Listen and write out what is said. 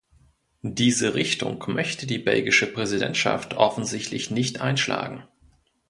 Diese Richtung möchte die belgische Präsidentschaft offensichtlich nicht einschlagen.